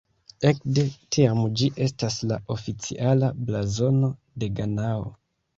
Ekde tiam ĝi estas la oficiala blazono de Ganao.